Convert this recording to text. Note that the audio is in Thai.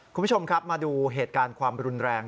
คุณผู้ชมครับมาดูเหตุการณ์ความรุนแรง